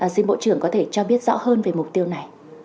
xin bộ trưởng có thể cho biết rõ hơn về mục tiêu này